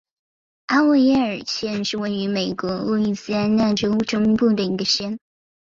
阿沃耶尔县是位于美国路易斯安那州中部的一个县。